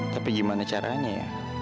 tapi bagaimana caranya